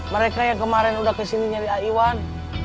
mereka yang kemarin udah kesini nyari a iwan